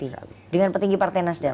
dengan petinggi partai nasdem